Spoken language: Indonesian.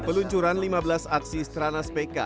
peluncuran lima belas aksi stranas pk